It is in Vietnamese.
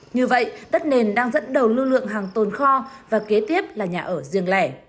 như vậy đất nền đang dẫn đầu lưu lượng hàng tồn kho và kế tiếp là nhà ở riêng lẻ